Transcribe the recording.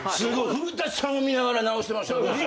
古さんを見ながら直してましたね。